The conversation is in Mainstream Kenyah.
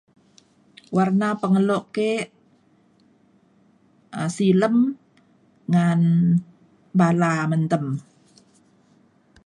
warna pengelok ke um silem ngan bala mentem.